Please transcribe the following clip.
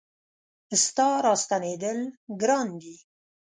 ستا را ستنېدل ګران دي